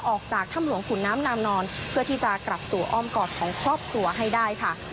ออกจากถ้ำหลวงขุนน้ำนางนอนเพื่อที่จะกลับสู่อ้อมกอดของครอบครัวให้ได้ค่ะ